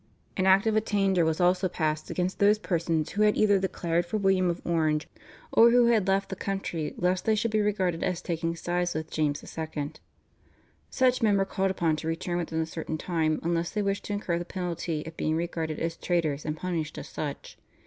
An Act of Attainder was also passed against those persons who had either declared for William of Orange, or who had left the country lest they should be regarded as taking sides with James II. Such men were called upon to return within a certain time unless they wished to incur the penalty of being regarded as traitors and punished as such.